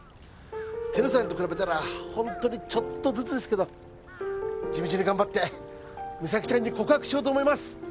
テルさんと比べたらほんとにちょっとずつですけど地道に頑張ってミサキちゃんに告白しようと思います